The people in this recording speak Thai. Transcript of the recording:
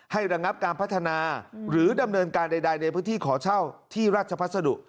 ระงับการพัฒนาหรือดำเนินการใดในพื้นที่ขอเช่าที่ราชพัสดุ